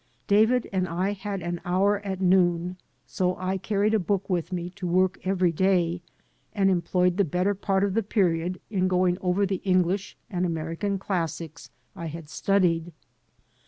David and I had an hour at noon; so I carried a book with me to work every day and employed the better part of the period in going over the EngUsh and American classics I had studied.